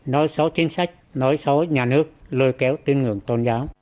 nói xấu chính sách nói xấu nhà nước lôi kéo tin ngưỡng tôn giáo